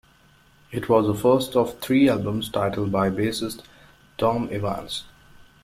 It was the first of three albums titled by bassist Tom Evans.